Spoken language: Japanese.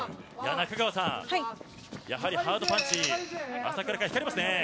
中川さん、やはりハードパンチ朝倉海は光りますね。